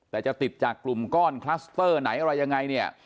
แต่จะติดจากกลุ่มก้อนคลัสเตอร์ไหนอะไรยังไงเนี่ย